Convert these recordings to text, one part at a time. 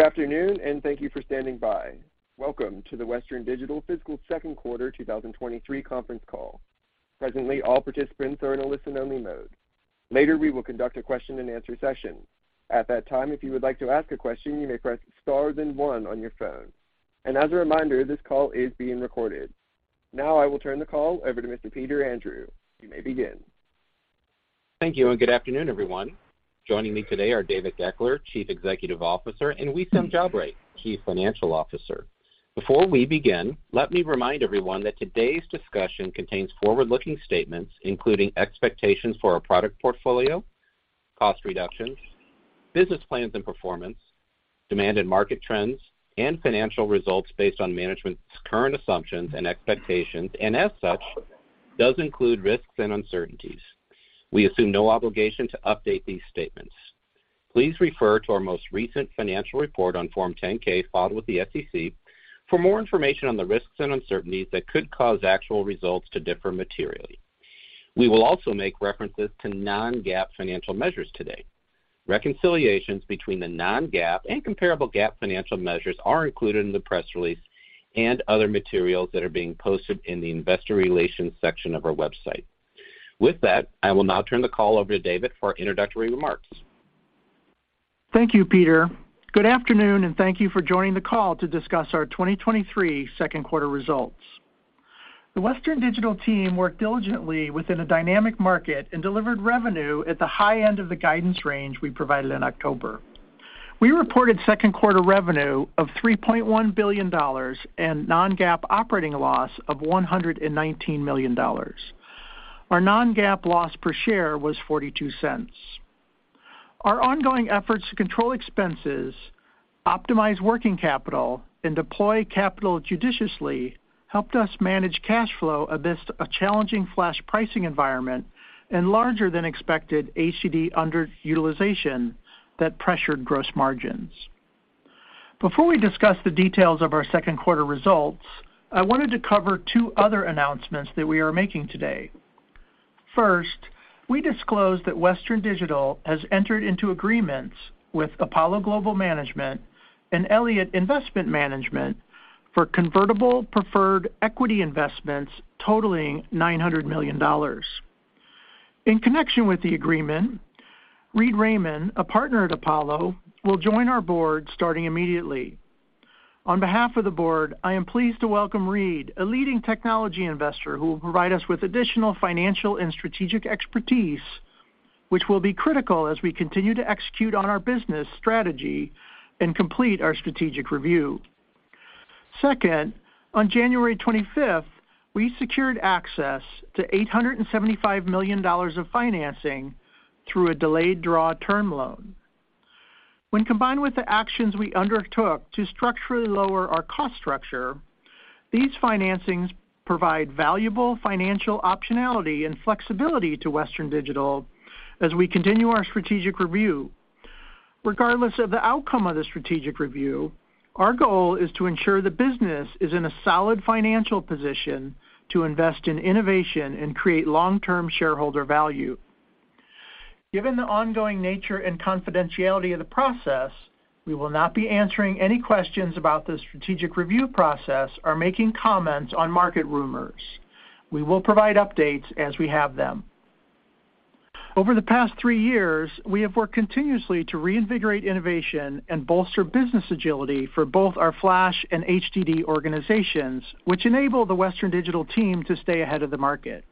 Good afternoon, and thank you for standing by. Welcome to the Western Digital Fiscal Second Quarter 2023 conference call. Presently, all participants are in a listen-only mode. Later, we will conduct a question-and-answer session. At that time, if you would like to ask a question, you may press star then one on your phone. As a reminder, this call is being recorded. Now I will turn the call over to Mr. Peter Andrew. You may begin. Thank you, good afternoon, everyone. Joining me today are David Goeckeler, Chief Executive Officer, and Wissam Jabre, Chief Financial Officer. Before we begin, let me remind everyone that today's discussion contains forward-looking statements, including expectations for our product portfolio, cost reductions, business plans and performance, demand and market trends, and financial results based on management's current assumptions and expectations, and as such, does include risks and uncertainties. We assume no obligation to update these statements. Please refer to our most recent financial report on Form 10-K filed with the SEC for more information on the risks and uncertainties that could cause actual results to differ materially. We will also make references to non-GAAP financial measures today. Reconciliations between the non-GAAP and comparable GAAP financial measures are included in the press release and other materials that are being posted in the investor relations section of our website. With that, I will now turn the call over to David for introductory remarks. Thank you, Peter. Good afternoon, and thank you for joining the call to discuss our 2023 second quarter results. The Western Digital team worked diligently within a dynamic market and delivered revenue at the high end of the guidance range we provided in October. We reported second quarter revenue of $3.1 billion and non-GAAP operating loss of $119 million. Our non-GAAP loss per share was $0.42. Our ongoing efforts to control expenses, optimize working capital, and deploy capital judiciously helped us manage cash flow amidst a challenging flash pricing environment and larger than expected HDD underutilization that pressured gross margins. Before we discuss the details of our second quarter results, I wanted to cover two other announcements that we are making today. First, we disclose that Western Digital has entered into agreements with Apollo Global Management and Elliott Investment Management for convertible preferred equity investments totaling $900 million. In connection with the agreement, Reed Rayman, a partner at Apollo, will join our board starting immediately. On behalf of the board, I am pleased to welcome Reed, a leading technology investor who will provide us with additional financial and strategic expertise, which will be critical as we continue to execute on our business strategy and complete our strategic review. Second, on January 25th, we secured access to $875 million of financing through a delayed draw term loan. When combined with the actions we undertook to structurally lower our cost structure, these financings provide valuable financial optionality and flexibility to Western Digital as we continue our strategic review. Regardless of the outcome of the strategic review, our goal is to ensure the business is in a solid financial position to invest in innovation and create long-term shareholder value. Given the ongoing nature and confidentiality of the process, we will not be answering any questions about the strategic review process or making comments on market rumors. We will provide updates as we have them. Over the past three years, we have worked continuously to reinvigorate innovation and bolster business agility for both our flash and HDD organizations, which enable the Western Digital team to stay ahead of the market.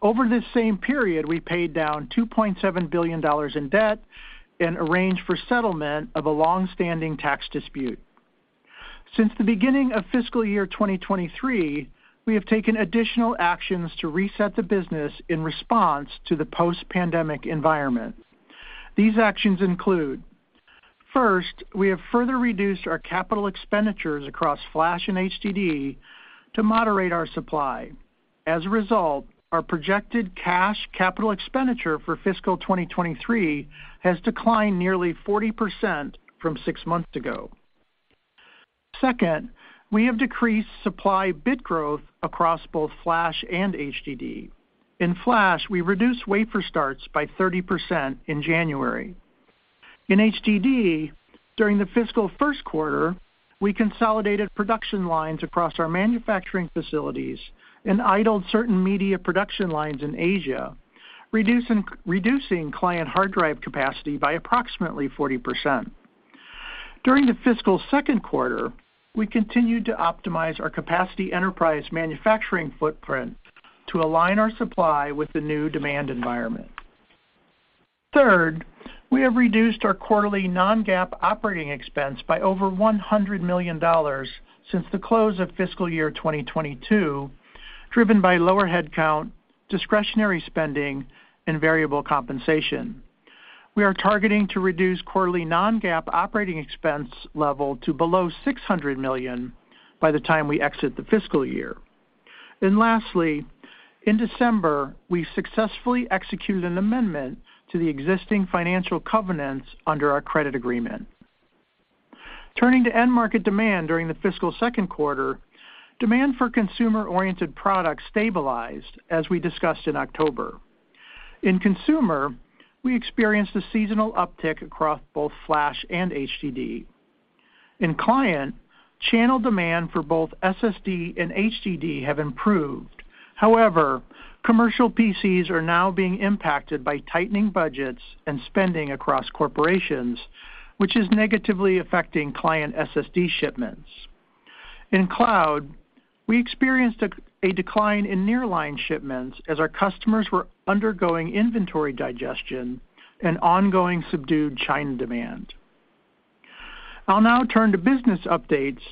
Over this same period, we paid down $2.7 billion in debt and arranged for settlement of a longstanding tax dispute. Since the beginning of fiscal year 2023, we have taken additional actions to reset the business in response to the post-pandemic environment. These actions include, first, we have further reduced our capital expenditures across flash and HDD to moderate our supply. As a result, our projected cash capital expenditure for fiscal 2023 has declined nearly 40% from six months ago. Second, we have decreased supply bit growth across both flash and HDD. In flash, we reduced wafer starts by 30% in January. In HDD, during the fiscal first quarter, we consolidated production lines across our manufacturing facilities and idled certain media production lines in Asia, reducing client hard drive capacity by approximately 40%. During the fiscal second quarter, we continued to optimize our capacity enterprise manufacturing footprint to align our supply with the new demand environment. Third, we have reduced our quarterly non-GAAP operating expense by over $100 million since the close of fiscal year 2022, driven by lower headcount, discretionary spending, and variable compensation. We are targeting to reduce quarterly non-GAAP operating expense level to below $600 million by the time we exit the fiscal year. Lastly, in December, we successfully executed an amendment to the existing financial covenants under our credit agreement. Turning to end market demand during the fiscal second quarter, demand for consumer-oriented products stabilized, as we discussed in October. In consumer, we experienced a seasonal uptick across both flash and HDD. In client, channel demand for both SSD and HDD have improved. However, commercial PCs are now being impacted by tightening budgets and spending across corporations, which is negatively affecting client SSD shipments. In cloud, we experienced a decline in nearline shipments as our customers were undergoing inventory digestion and ongoing subdued China demand. I'll now turn to business updates,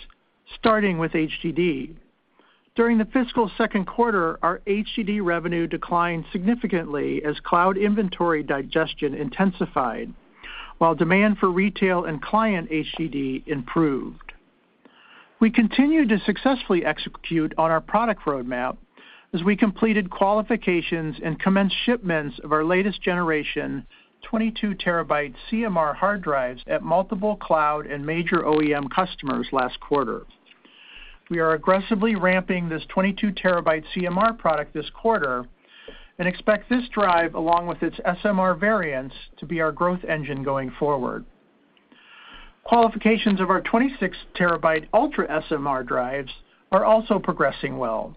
starting with HDD. During the fiscal second quarter, our HDD revenue declined significantly as cloud inventory digestion intensified, while demand for retail and client HDD improved. We continued to successfully execute on our product roadmap as we completed qualifications and commenced shipments of our latest generation 22 TB CMR hard drives at multiple cloud and major OEM customers last quarter. We are aggressively ramping this 22 TB CMR product this quarter and expect this drive, along with its SMR variants, to be our growth engine going forward. Qualifications of our 26 TB UltraSMR drives are also progressing well.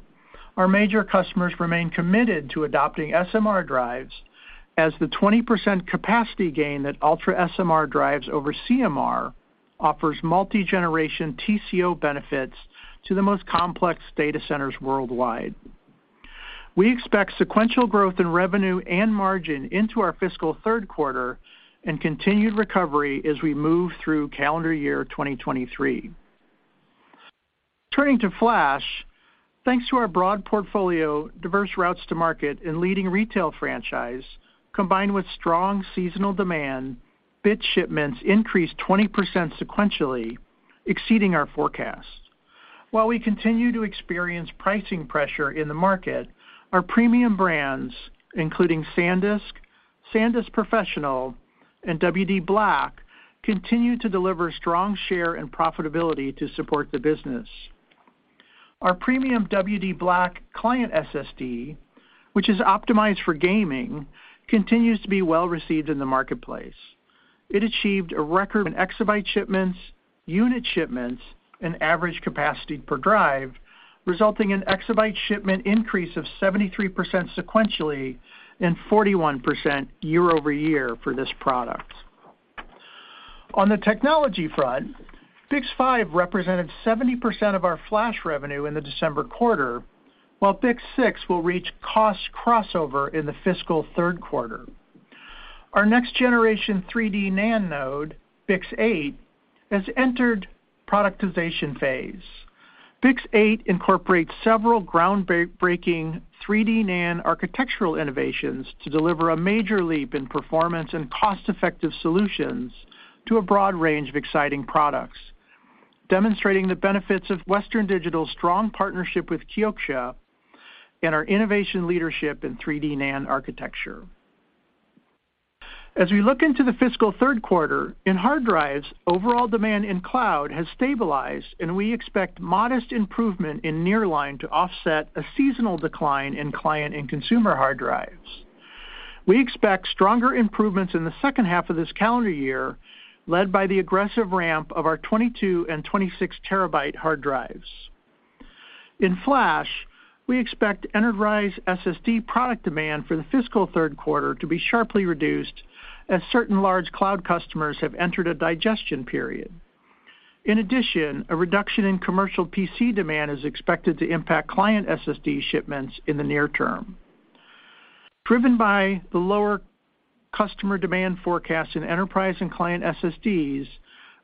Our major customers remain committed to adopting SMR drives, as the 20% capacity gain that UltraSMR drives over CMR offers multi-generation TCO benefits to the most complex data centers worldwide. We expect sequential growth in revenue and margin into our fiscal third quarter and continued recovery as we move through calendar year 2023. Turning to flash, thanks to our broad portfolio, diverse routes to market, and leading retail franchise, combined with strong seasonal demand, bit shipments increased 20% sequentially, exceeding our forecast. While we continue to experience pricing pressure in the market, our premium brands, including SanDisk Professional, and WD_BLACK, continue to deliver strong share and profitability to support the business. Our premium WD_BLACK client SSD, which is optimized for gaming, continues to be well-received in the marketplace. It achieved a record in exabyte shipments, unit shipments, and average capacity per drive, resulting in exabyte shipment increase of 73% sequentially and 41% year-over-year for this product. On the technology front, BiCS5 represented 70% of our flash revenue in the December quarter, while BiCS6 will reach cost crossover in the fiscal third quarter. Our next generation 3D NAND node, BiCS8, has entered productization phase. BiCS8 incorporates several groundbreaking 3D NAND architectural innovations to deliver a major leap in performance and cost-effective solutions to a broad range of exciting products, demonstrating the benefits of Western Digital's strong partnership with Kioxia and our innovation leadership in 3D NAND architecture. As we look into the fiscal third quarter, in hard drives, overall demand in cloud has stabilized, and we expect modest improvement in nearline to offset a seasonal decline in client and consumer hard drives. We expect stronger improvements in the second half of this calendar year, led by the aggressive ramp of our 22 and 26 terabyte hard drives. In flash, we expect enterprise SSD product demand for the fiscal third quarter to be sharply reduced as certain large cloud customers have entered a digestion period. In addition, a reduction in commercial PC demand is expected to impact client SSD shipments in the near term. Driven by the lower customer demand forecast in enterprise and client SSDs,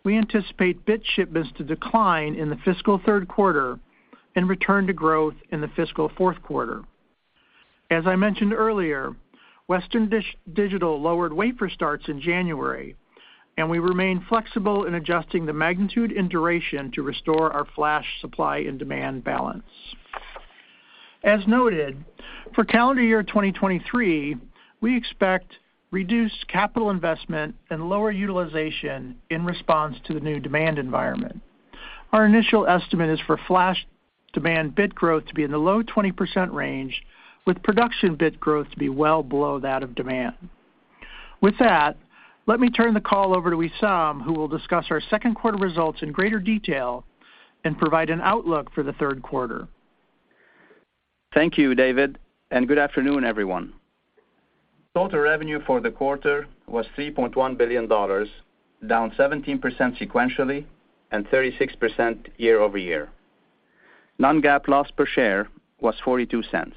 we anticipate bit shipments to decline in the fiscal third quarter and return to growth in the fiscal fourth quarter. As I mentioned earlier, Western Digital lowered wafer starts in January, we remain flexible in adjusting the magnitude and duration to restore our flash supply and demand balance. As noted, for calendar year 2023, we expect reduced capital investment and lower utilization in response to the new demand environment. Our initial estimate is for flash demand bit growth to be in the low 20% range, with production bit growth to be well below that of demand. With that, let me turn the call over to Wissam, who will discuss our second quarter results in greater detail and provide an outlook for the third quarter. Thank you, David, and good afternoon, everyone. Total revenue for the quarter was $3.1 billion, down 17% sequentially and 36% year-over-year. Non-GAAP loss per share was $0.42.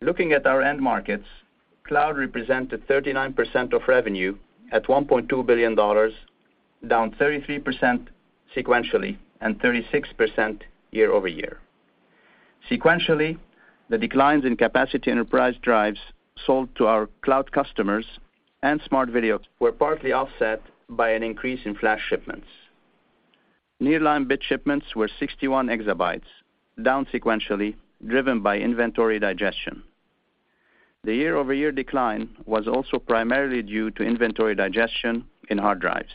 Looking at our end markets, cloud represented 39% of revenue at $1.2 billion, down 33% sequentially and 36% year-over-year. Sequentially, the declines in capacity enterprise drives sold to our cloud customers and Smart Video were partly offset by an increase in flash shipments. Nearline bit shipments were 61 exabytes, down sequentially, driven by inventory digestion. The year-over-year decline was also primarily due to inventory digestion in hard drives.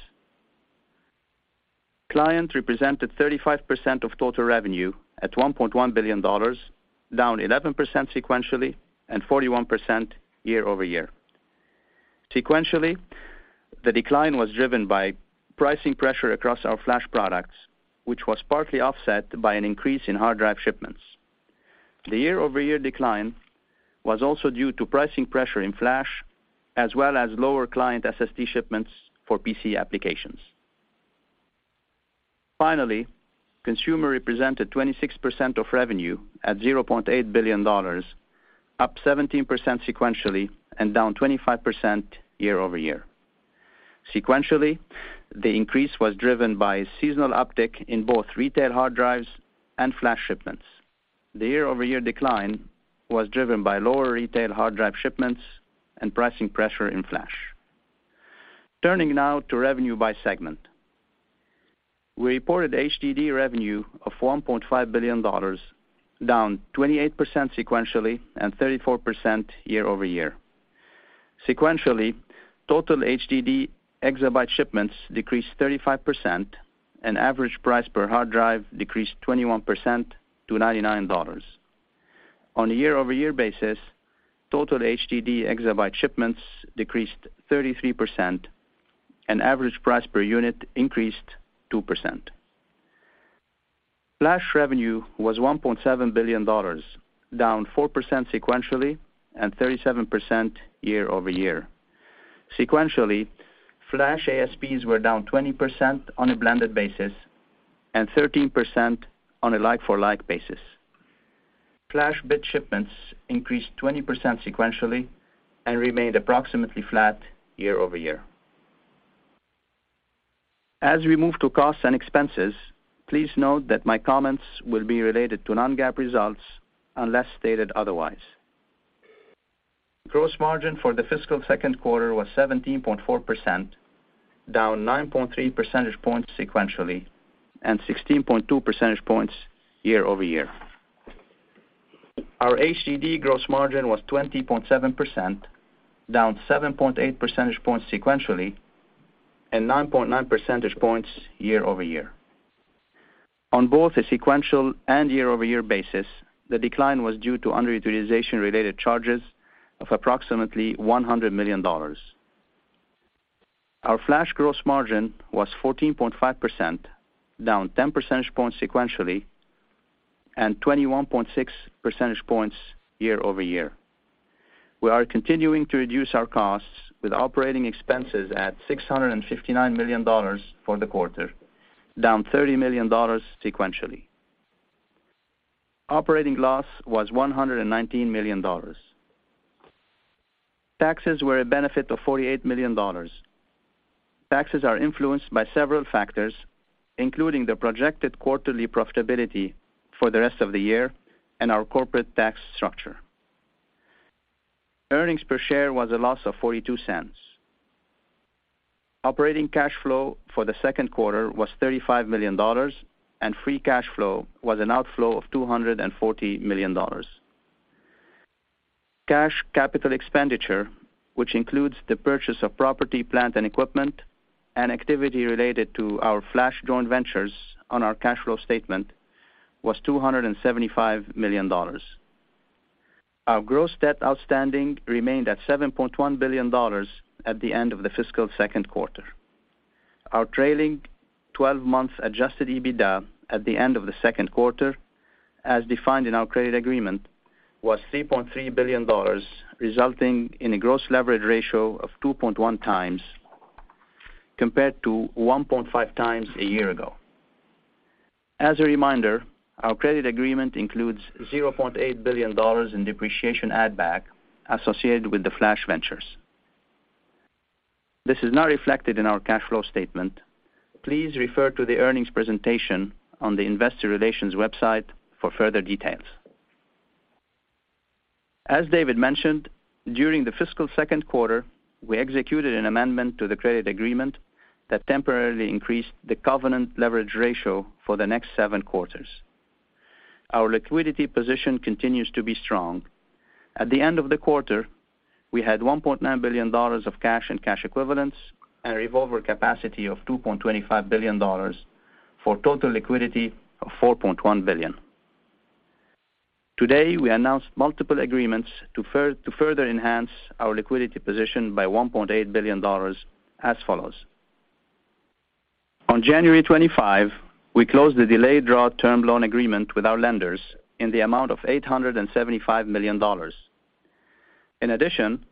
Client represented 35% of total revenue at $1.1 billion, down 11% sequentially and 41% year-over-year. Sequentially, the decline was driven by pricing pressure across our flash products, which was partly offset by an increase in hard drive shipments. The year-over-year decline was also due to pricing pressure in flash, as well as lower client SSD shipments for PC applications. Finally, consumer represented 26% of revenue at $0.8 billion, up 17% sequentially and down 25% year-over-year. Sequentially, the increase was driven by seasonal uptick in both retail hard drives and flash shipments. The year-over-year decline was driven by lower retail hard drive shipments and pricing pressure in flash. Turning now to revenue by segment. We reported HDD revenue of $1.5 billion, down 28% sequentially and 34% year-over-year. Sequentially, total HDD exabyte shipments decreased 35%, and average price per hard drive decreased 21% to $99. On a year-over-year basis, total HDD exabyte shipments decreased 33% and average price per unit increased 2%. Flash revenue was $1.7 billion, down 4% sequentially and 37% year-over-year. Sequentially, flash ASPs were down 20% on a blended basis and 13% on a like-for-like basis. Flash bit shipments increased 20% sequentially and remained approximately flat year-over-year. As we move to costs and expenses, please note that my comments will be related to non-GAAP results unless stated otherwise. Gross margin for the fiscal second quarter was 17.4%, down 9.3 percentage points sequentially and 16.2 percentage points year-over-year. Our HDD gross margin was 20.7%, down 7.8 percentage points sequentially and 9.9 percentage points year-over-year. On both a sequential and year-over-year basis, the decline was due to underutilization related charges of approximately $100 million. Our flash gross margin was 14.5%, down 10 percentage points sequentially and 21.6 percentage points year-over-year. We are continuing to reduce our costs with operating expenses at $659 million for the quarter, down $30 million sequentially. Operating loss was $119 million. Taxes were a benefit of $48 million. Taxes are influenced by several factors, including the projected quarterly profitability for the rest of the year and our corporate tax structure. Earnings per share was a loss of $0.42. Operating cash flow for the second quarter was $35 million, and free cash flow was an outflow of $240 million. Cash capital expenditure, which includes the purchase of property, plant and equipment and activity related to our flash joint ventures on our cash flow statement was $275 million. Our gross debt outstanding remained at $7.1 billion at the end of the fiscal second quarter. Our trailing twelve months adjusted EBITDA at the end of the second quarter, as defined in our credit agreement, was $3.3 billion, resulting in a gross leverage ratio of 2.1x compared to 1.5x a year ago. As a reminder, our credit agreement includes $0.8 billion in depreciation add back associated with the flash ventures. This is not reflected in our cash flow statement. Please refer to the earnings presentation on the investor relations website for further details. As David mentioned, during the fiscal second quarter, we executed an amendment to the credit agreement that temporarily increased the covenant leverage ratio for the next 7 quarters. Our liquidity position continues to be strong. At the end of the quarter, we had $1.9 billion of cash and cash equivalents and a revolver capacity of $2.25 billion for total liquidity of $4.1 billion. Today, we announced multiple agreements to further enhance our liquidity position by $1.8 billion as follows. On January 25, we closed the delayed draw term loan agreement with our lenders in the amount of $875 million. In addition,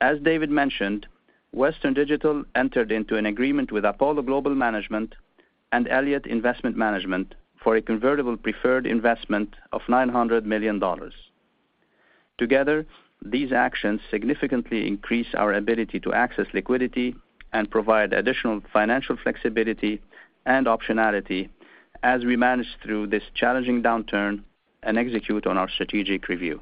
as David mentioned, Western Digital entered into an agreement with Apollo Global Management and Elliott Investment Management for a convertible preferred investment of $900 million. Together, these actions significantly increase our ability to access liquidity and provide additional financial flexibility and optionality as we manage through this challenging downturn and execute on our strategic review.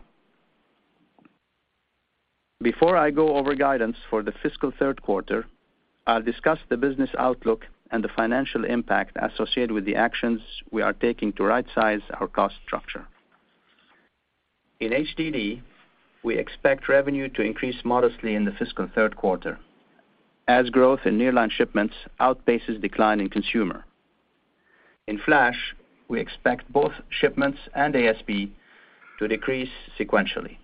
Before I go over guidance for the fiscal third quarter, I'll discuss the business outlook and the financial impact associated with the actions we are taking to rightsize our cost structure. In HDD, we expect revenue to increase modestly in the fiscal third quarter as growth in nearline shipments outpaces decline in consumer. In flash, we expect both shipments and ASP to decrease sequentially.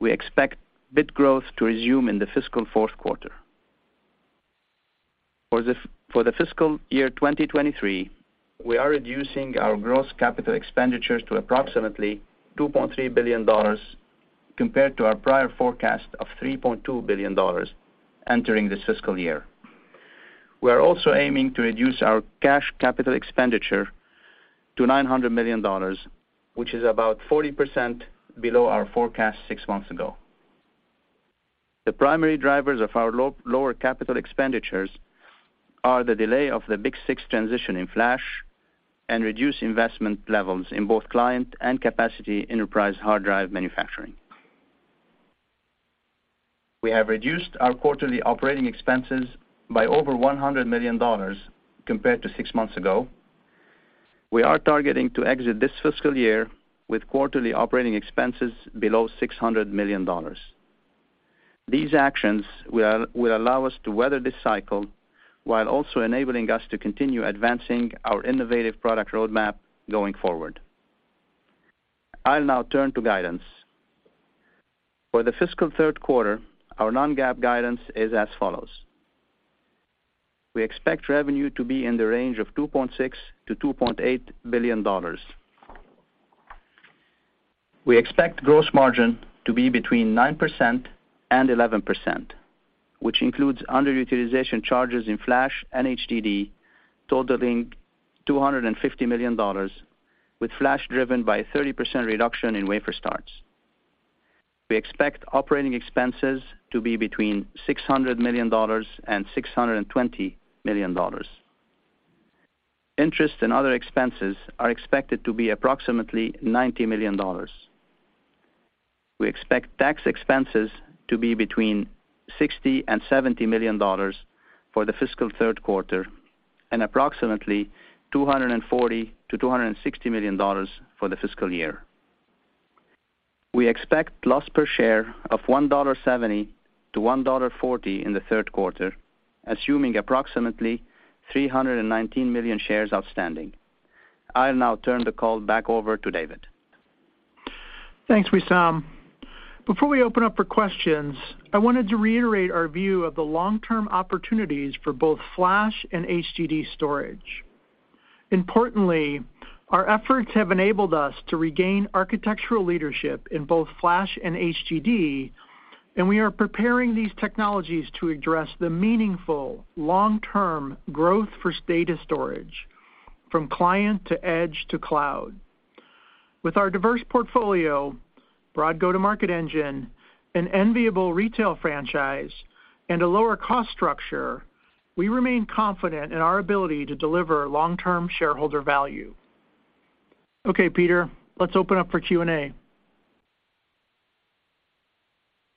We expect bit growth to resume in the fiscal fourth quarter. For the fiscal year 2023, we are reducing our gross capital expenditures to approximately $2.3 billion compared to our prior forecast of $3.2 billion entering this fiscal year. We are also aiming to reduce our cash capital expenditure to $900 million, which is about 40% below our forecast six months ago. The primary drivers of our lower capital expenditures are the delay of the BiCS6 transition in flash and reduced investment levels in both client and capacity enterprise hard drive manufacturing. We have reduced our quarterly operating expenses by over $100 million compared to six months ago. We are targeting to exit this fiscal year with quarterly operating expenses below $600 million. These actions will allow us to weather this cycle while also enabling us to continue advancing our innovative product roadmap going forward. I'll now turn to guidance. For the fiscal third quarter, our non-GAAP guidance is as follows. We expect revenue to be in the range of $2.6 billion-$2.8 billion. We expect gross margin to be between 9%-11%, which includes underutilization charges in flash and HDD totaling $250 million with flash driven by a 30% reduction in wafer starts. We expect operating expenses to be between $600 million-$620 million. Interest and other expenses are expected to be approximately $90 million. We expect tax expenses to be between $60 million-$70 million for the fiscal third quarter and approximately $240 million-$260 million for the fiscal year. We expect loss per share of $1.70-$1.40 in the third quarter, assuming approximately 319 million shares outstanding. I'll now turn the call back over to David. Thanks, Wissam. Before we open up for questions, I wanted to reiterate our view of the long-term opportunities for both flash and HDD storage. Importantly, our efforts have enabled us to regain architectural leadership in both flash and HDD, and we are preparing these technologies to address the meaningful long-term growth for data storage from client to edge to cloud. With our diverse portfolio, broad go-to-market engine, an enviable retail franchise, and a lower cost structure, we remain confident in our ability to deliver long-term shareholder value. Okay, Peter, let's open up for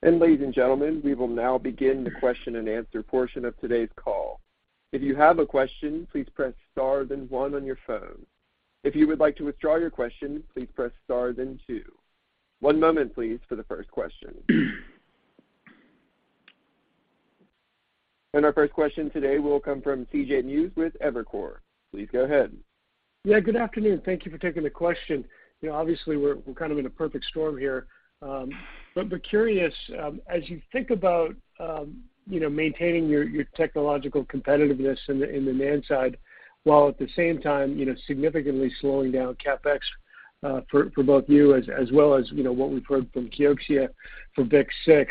Q&A. Ladies and gentlemen, we will now begin the question-and-answer portion of today's call. If you have a question, please press star then one on your phone. If you would like to withdraw your question, please press star then 2. One moment, please, for the first question. Our first question today will come from C.J. Muse with Evercore. Please go ahead. Good afternoon. Thank you for taking the question. You know, obviously, we're kind of in a perfect storm here. We're curious, as you think about, you know, maintaining your technological competitiveness in the NAND side, while at the same time, you know, significantly slowing down CapEx, for both you as well as, you know, what we've heard from Kioxia for BiCS6,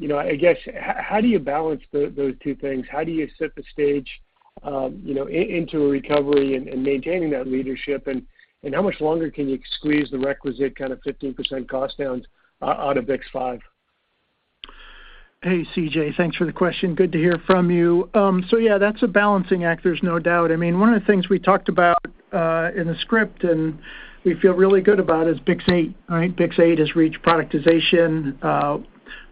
you know, I guess, how do you balance those two things? How do you set the stage, you know, into a recovery and maintaining that leadership? How much longer can you squeeze the requisite kind of 15% cost downs out of BiCS5? Hey, C.J. Thanks for the question. Good to hear from you. Yeah, that's a balancing act, there's no doubt. I mean, one of the things we talked about in the script, we feel really good about is BiCS8, right? BiCS8 has reached productization.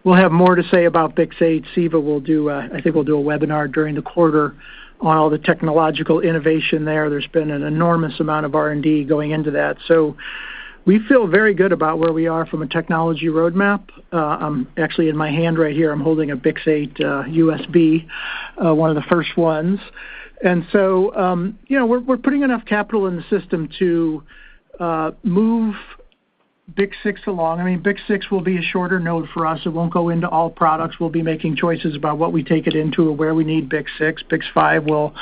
We'll have more to say about BiCS8. Siva will do, I think, will do a webinar during the quarter on all the technological innovation there. There's been an enormous amount of R&D going into that. We feel very good about where we are from a technology roadmap. Actually in my hand right here, I'm holding a BiCS8 USB, one of the first ones. You know, we're putting enough capital in the system to move BiCS6 along. I mean, BiCS6 will be a shorter node for us. It won't go into all products. We'll be making choices about what we take it into or where we need BiCS6. BiCS5 will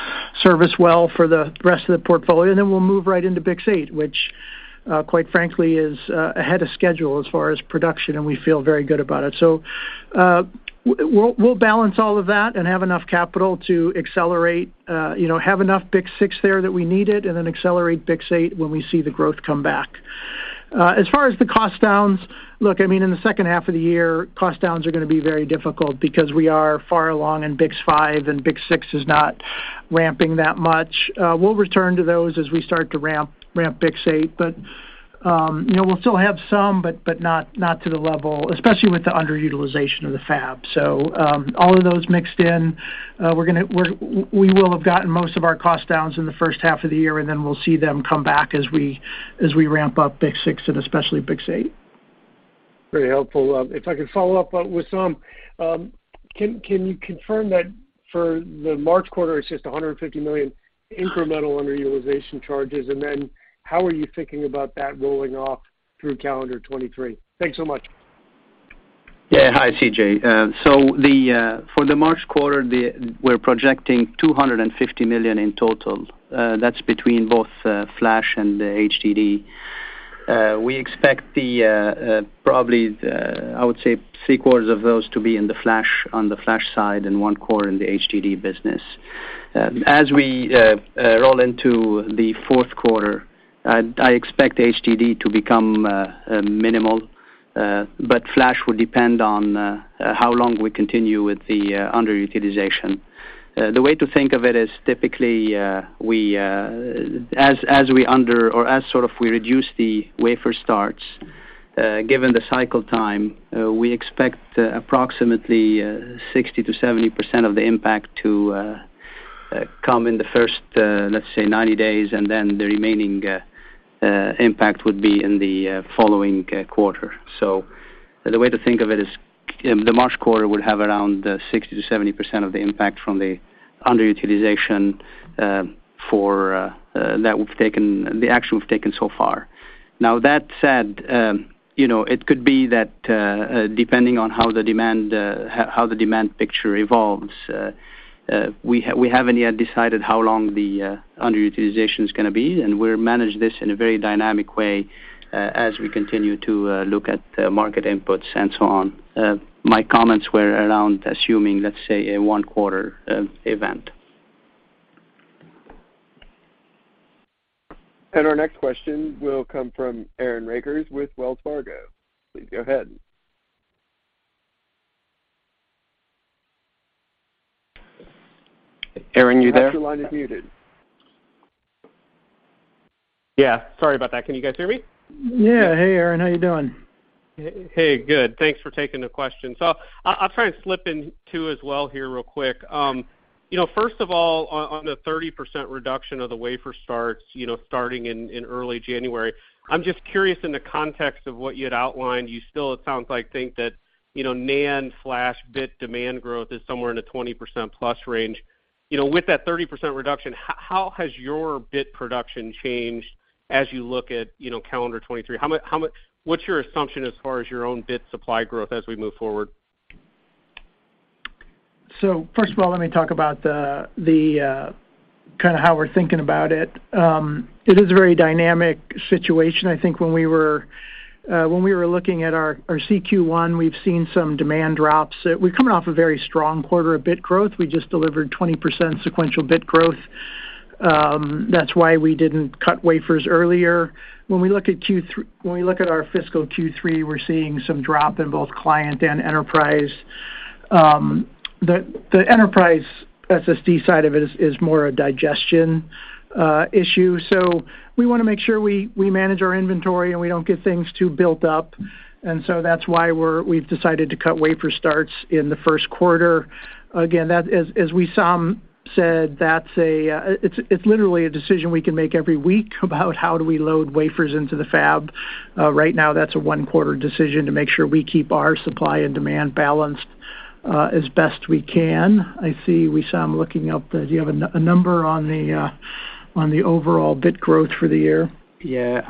service well for the rest of the portfolio, and then we'll move right into BiCS8, which, quite frankly, is ahead of schedule as far as production, and we feel very good about it. We'll balance all of that and have enough capital to accelerate, you know, have enough BiCS6 there that we need it, and then accelerate BiCS8 when we see the growth come back. As far as the cost downs, look, I mean, in the second half of the year, cost downs are gonna be very difficult because we are far along in BiCS5 and BiCS6 is not ramping that much. We'll return to those as we start to ramp BiCS8. you know, we'll still have some, but not to the level, especially with the underutilization of the fab. all of those mixed in, we will have gotten most of our cost downs in the first half of the year, and then we'll see them come back as we ramp up BiCS6 and especially BiCS8. Very helpful. If I could follow up with some, can you confirm that for the March quarter, it's just $150 million incremental underutilization charges? How are you thinking about that rolling off through calendar 2023? Thanks so much. Yeah. Hi, C.J. for the March quarter, we're projecting $250 million in total. That's between both flash and HDD. We expect probably, I would say three quarters of those to be in the flash, on the flash side and one quarter in the HDD business. As we roll into the fourth quarter, I expect HDD to become minimal, flash will depend on how long we continue with the underutilization. The way to think of it is typically, we as sort of we reduce the wafer starts, given the cycle time, we expect approximately 60% to 70% of the impact to come in the first, let's say 90 days, and then the remaining impact would be in the following quarter. The way to think of it is the March quarter would have around 60% to 70% of the impact from the underutilization, for that we've taken, the action we've taken so far. That said, you know, it could be that, depending on how the demand, how the demand picture evolves, we haven't yet decided how long the underutilization is going to be, and we'll manage this in a very dynamic way, as we continue to look at the market inputs and so on. My comments were around assuming, let's say, a one-quarter event. Our next question will come from Aaron Rakers with Wells Fargo. Please go ahead. Aaron, you there? I think your line is muted. Yeah, sorry about that. Can you guys hear me? Yeah. Hey, Aaron. How you doing? Hey, good. Thanks for taking the question. I'll try and slip in two as well here real quick. You know, first of all, on the 30% reduction of the wafer starts, you know, starting in early January, I'm just curious in the context of what you had outlined, you still, it sounds like, think that, you know, NAND/bit demand growth is somewhere in the 20% plus range. You know, with that 30% reduction, how has your bit production changed as you look at, you know, calendar 2023? What's your assumption as far as your own bit supply growth as we move forward? First of all, let me talk about the kind of how we're thinking about it. It is a very dynamic situation. I think when we were when we were looking at our Q1, we've seen some demand drops. We're coming off a very strong quarter of bit growth. We just delivered 20% sequential bit growth. That's why we didn't cut wafers earlier. When we look at our fiscal Q3, we're seeing some drop in both client and enterprise. The enterprise SSD side of it is more a digestion issue. We want to make sure we manage our inventory, and we don't get things too built up. That's why we've decided to cut wafer starts in the first quarter. Again, that is, as Wissam said, that's a, it's literally a decision we can make every week about how do we load wafers into the fab. Right now that's a one-quarter decision to make sure we keep our supply and demand balanced, as best we can. I see Wissam looking up. Do you have a number on the overall bit growth for the year? Yeah.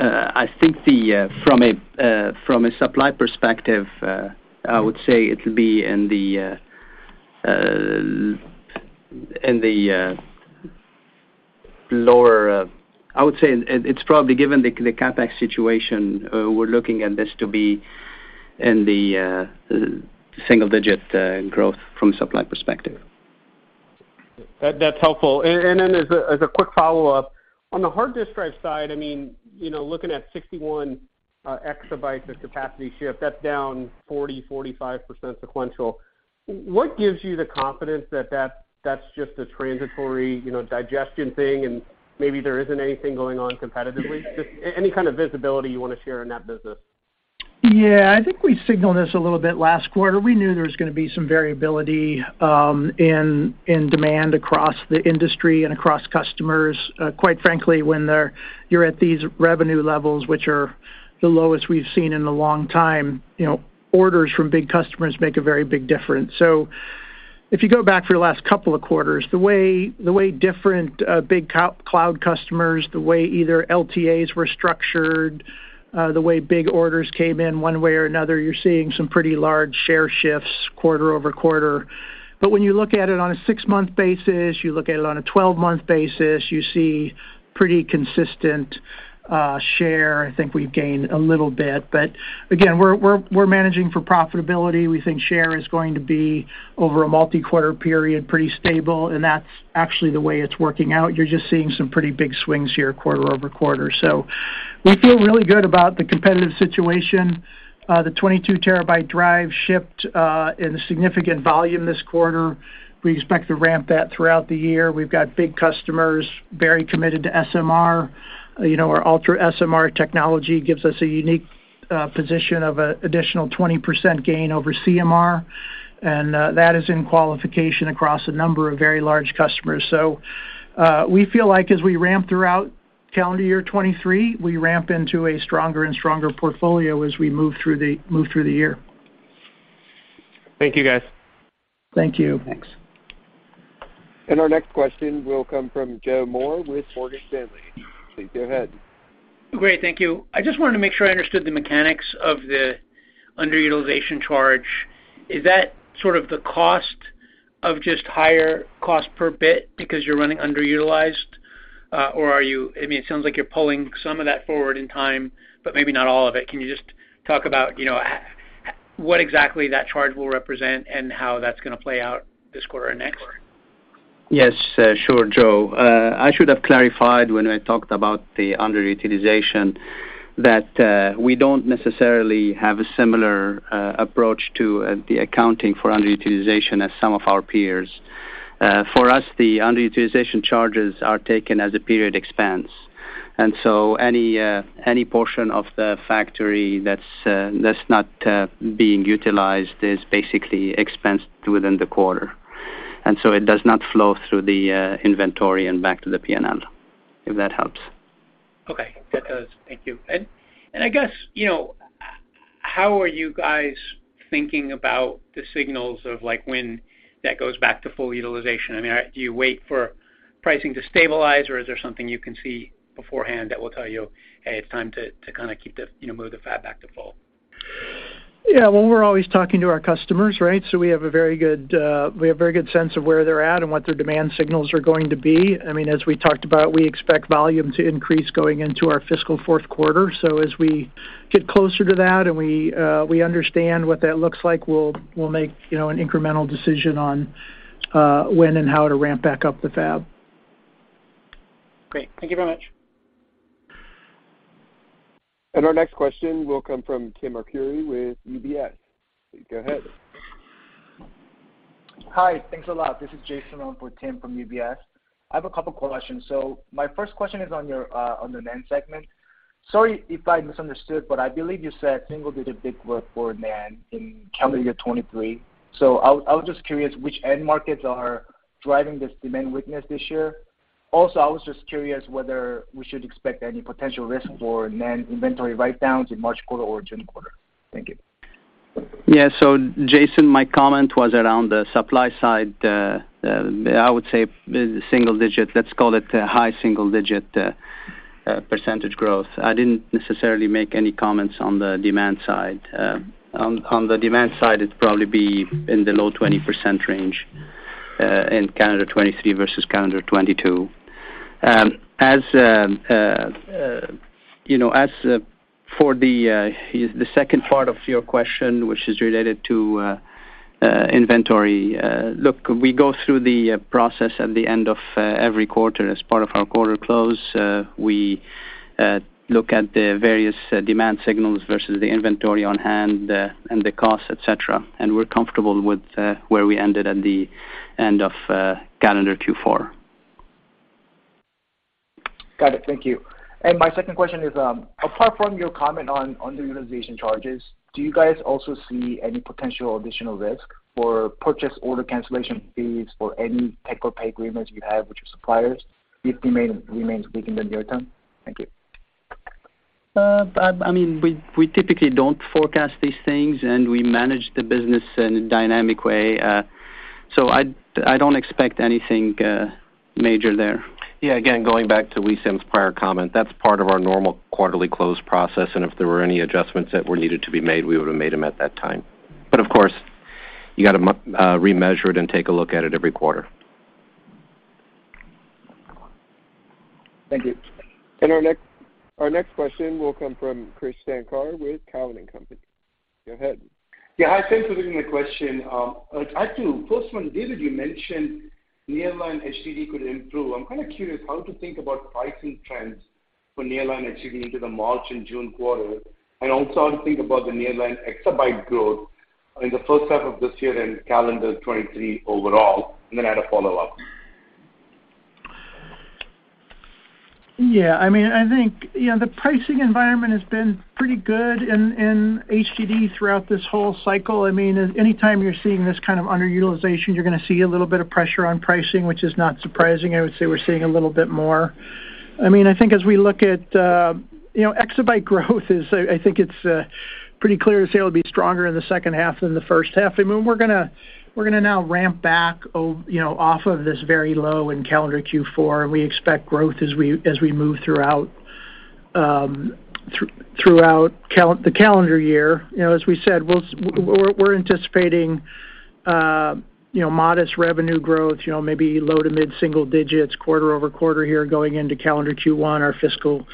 I think the, from a, from a supply perspective, I would say it will be in the lower, I would say it's probably given the CapEx situation, we're looking at this to be in the single digit growth from supply perspective. That's helpful. Then as a quick follow-up, on the hard disk drive side, I mean, you know, looking at 61 exabytes of capacity shift, that's down 40%-45% sequential. What gives you the confidence that that's just a transitory, you know, digestion thing, and maybe there isn't anything going on competitively? Just any kind of visibility you want to share in that business. I think we signaled this a little bit last quarter. We knew there was going to be some variability in demand across the industry and across customers. Quite frankly, when you're at these revenue levels, which are the lowest we've seen in a long time, you know, orders from big customers make a very big difference. If you go back for the last couple of quarters, the way different big cloud customers, the way either LTAs were structured, the way big orders came in one way or another, you're seeing some pretty large share shifts quarter-over-quarter. When you look at it on a 6-month basis, you look at it on a 12-month basis, you see pretty consistent share. I think we've gained a little bit, but again, we're, we're managing for profitability. We think share is going to be over a multi-quarter period, pretty stable, and that's actually the way it's working out. You're just seeing some pretty big swings here quarter-over-quarter. We feel really good about the competitive situation. The 22 terabyte drive shipped in a significant volume this quarter. We expect to ramp that throughout the year. We've got big customers very committed to SMR. You know, our UltraSMR technology gives us a unique position of a additional 20% gain over CMR. That is in qualification across a number of very large customers. We feel like as we ramp throughout calendar year 2023, we ramp into a stronger and stronger portfolio as we move through the year. Thank you, guys. Thank you. Thanks. Our next question will come from Joseph Moore with Morgan Stanley. Please go ahead. Great. Thank you. I just wanted to make sure I understood the mechanics of the underutilization charge. Is that sort of the cost of just higher cost per bit because you're running underutilized? Or I mean, it sounds like you're pulling some of that forward in time, but maybe not all of it. Can you just talk about, you know, what exactly that charge will represent and how that's gonna play out this quarter or next quarter? Yes, sure, Joe. I should have clarified when I talked about the underutilization that we don't necessarily have a similar approach to the accounting for underutilization as some of our peers. For us, the underutilization charges are taken as a period expense. Any portion of the factory that's not being utilized is basically expensed within the quarter. It does not flow through the inventory and back to the P&L, if that helps. Okay. That does. Thank you. I guess, you know, how are you guys thinking about the signals of, like, when that goes back to full utilization? I mean, do you wait for pricing to stabilize, or is there something you can see beforehand that will tell you, "Hey, it's time to kind of keep the, you know, move the fab back to full? Well, we're always talking to our customers, right? We have a very good, we have a very good sense of where they're at and what their demand signals are going to be. I mean, as we talked about, we expect volume to increase going into our fiscal fourth quarter. As we get closer to that and we understand what that looks like, we'll make, you know, an incremental decision on when and how to ramp back up the fab. Great. Thank you very much. Our next question will come from Timothy Arcuri with UBS. Go ahead. Hi. Thanks a lot. This is Jason on for Tim from UBS. I have a couple questions. My first question is on your on the NAND segment. Sorry if I misunderstood, but I believe you said single digit big growth for NAND in calendar year 2023. I was just curious which end markets are driving this demand weakness this year. Also, I was just curious whether we should expect any potential risk for NAND inventory write-downs in March quarter or June quarter. Thank you. Yeah. So Jason, my comment was around the supply side, I would say the single-digit, let's call it, high single-digit percentage growth. I didn't necessarily make any comments on the demand side. On the demand side, it'd probably be in the low 20% range in calendar 2023 versus calendar 2022. As, you know, for the second part of your question, which is related to inventory. Look, we go through the process at the end of every quarter as part of our quarter close. We look at the various demand signals versus the inventory on hand, and the cost, et cetera. We're comfortable with where we ended at the end of calendar Q4. Got it. Thank you. My second question is, apart from your comment on underutilization charges, do you guys also see any potential additional risk for purchase order cancellation fees for any take or pay agreements you have with your suppliers if demand remains weak into the year term? Thank you. I mean, we typically don't forecast these things, and we manage the business in a dynamic way. I don't expect anything major there. Yeah. Again, going back to Wissam's prior comment, that's part of our normal quarterly close process, and if there were any adjustments that were needed to be made, we would have made them at that time. Of course, you got to remeasure it and take a look at it every quarter. Thank you. Our next question will come from Krish Sankar with Cowen and Company. Go ahead. Yeah. Hi, thanks for taking the question. I have two. First one, David, you mentioned nearline HDD could improve. I'm kinda curious how to think about pricing trends for nearline HDD into the March and June quarter, and also how to think about the nearline exabyte growth in the first half of this year and calendar 2023 overall. I had a follow-up. Yeah. I mean, I think, you know, the pricing environment has been pretty good in HDD throughout this whole cycle. I mean, anytime you're seeing this kind of underutilization, you're gonna see a little bit of pressure on pricing, which is not surprising. I would say we're seeing a little bit more. I mean, I think as we look at, you know, exabyte growth is, I think it's pretty clear to say it'll be stronger in the second half than the first half. I mean, we're gonna now ramp back you know, off of this very low in calendar Q4, and we expect growth as we move throughout, the calendar year. You know, as we said, we're anticipating, you know, modest revenue growth, you know, maybe low to mid single digits quarter-over-quarter here going into calendar Q1 or fiscal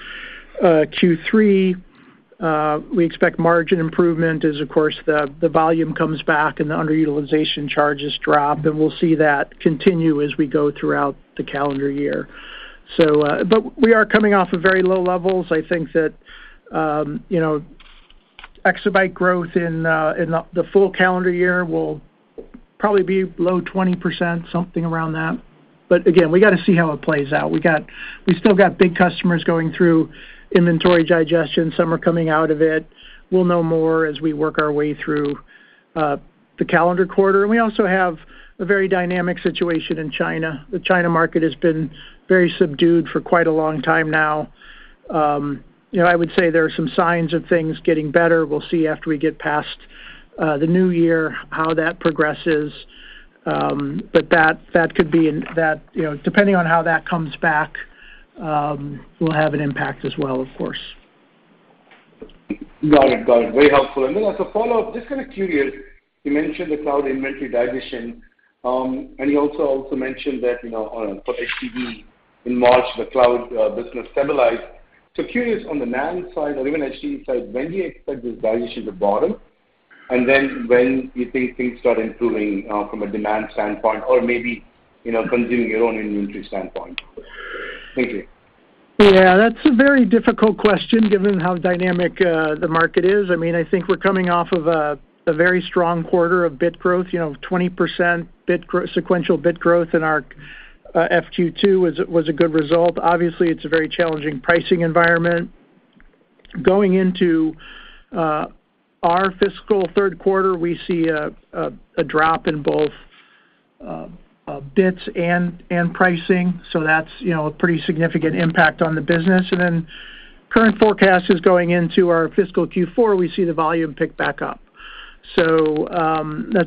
Q3. We expect margin improvement as, of course, the volume comes back and the underutilization charges drop. We'll see that continue as we go throughout the calendar year. We are coming off of very low levels. I think that, you know, exabyte growth in the full calendar year will probably be below 20%, something around that. Again, we got to see how it plays out. We still got big customers going through inventory digestion. Some are coming out of it. We'll know more as we work our way through the calendar quarter. We also have a very dynamic situation in China. The China market has been very subdued for quite a long time now. you know, I would say there are some signs of things getting better. We'll see after we get past the new year how that progresses. That, that could be that, you know, depending on how that comes back, will have an impact as well, of course. Got it. Got it. Very helpful. As a follow-up, just kind of curious, you mentioned the cloud inventory division, and you also mentioned that, you know, for HDD in March, the cloud business stabilized. Curious on the NAND side or even HDD side, when do you expect this division to bottom? When you think things start improving, from a demand standpoint or maybe, you know, consuming your own inventory standpoint? Thank you. Yeah, that's a very difficult question given how dynamic the market is. I mean, I think we're coming off of a very strong quarter of bit growth, you know, 20% sequential bit growth in our FQ2 was a good result. Obviously, it's a very challenging pricing environment. Going into our fiscal third quarter, we see a drop in both bits and pricing, that's, you know, a pretty significant impact on the business. Current forecast is going into our fiscal Q4, we see the volume pick back up. That's